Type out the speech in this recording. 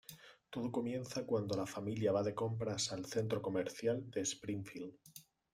Todo comienza cuando la familia va de compras al centro comercial de Springfield.